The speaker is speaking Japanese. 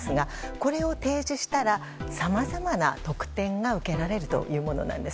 これを提示したらさまざまな特典が受けられるというものなんです。